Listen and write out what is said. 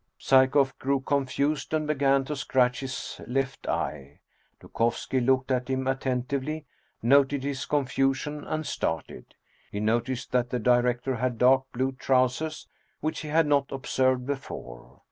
Psyekoff grew confused and began to scratch his left eye. Dukovski looked at him attentively, noted his con fusion, and started. He noticed that the director had dark blue trousers, which he had not observed before.